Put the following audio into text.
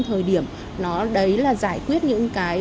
thời điểm nó đấy là giải quyết những cái